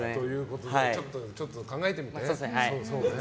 ちょっと考えてみて。